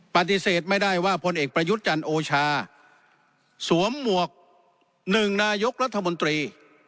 ปฏิเสธไม่ได้ว่าพลเอกประยุทธ์จันทร์โอชาสวมหมวก๑นายกรัฐมนตรี